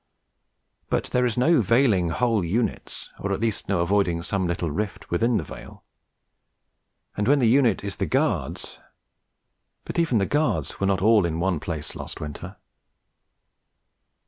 But there is no veiling whole units, or at least no avoiding some little rift within the veil. And when the unit is the Guards but even the Guards were not all in one place last winter.